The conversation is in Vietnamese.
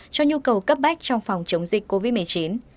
cho nhu cầu cấp bách trong phòng chống dịch covid một mươi chín